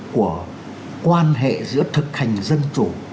của quan hệ giữa thực hành dân chủ